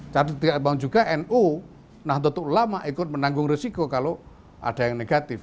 saya tidak mau juga nu nahdlatul ulama ikut menanggung resiko kalau ada yang negatif